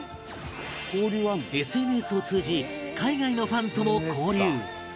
ＳＮＳ を通じ海外のファンとも交流